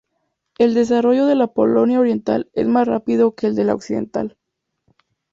El desarrollo de la Polonia oriental es más rápido que el de la occidental.